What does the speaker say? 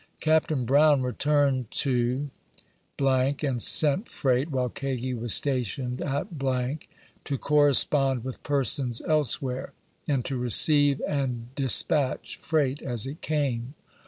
Capt. Brown returned to —, and sent freight, while Kagi was stationed at , to correspond with persons elsewhere, and to receive and de spatch freight as it came.